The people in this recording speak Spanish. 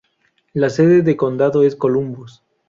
La sede de condado es Columbus.